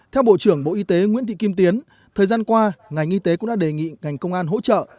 theo bộ trưởng bộ y tế nguyễn thị kim tiến thời gian qua ngành y tế cũng đã đề nghị ngành công an hỗ trợ